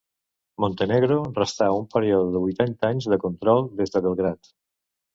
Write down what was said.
Montenegro restà un període de vuitanta anys de control des de Belgrad.